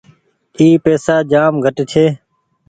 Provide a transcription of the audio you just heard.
اي پئيسا جآم گھٽ ڇي۔